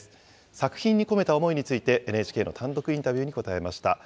作品に込めた思いについて、ＮＨＫの単独インタビューに答えました。